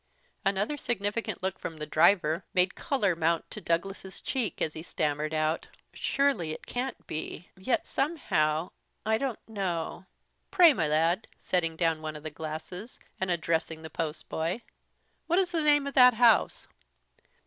Another significant look from the driver made the colour mount to Douglas's cheek, as he stammered out, "Surely it can't be; yet somehow I don't know. Pray, my lad," setting down one of the glasses, and addressing the post boy, "what is the name of that house?"